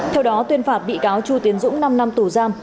theo đó tuyên phạt bị cáo chu tiến dũng năm năm tù giam